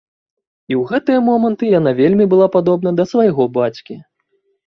І ў гэтыя моманты яна вельмі была падобна да свайго бацькі.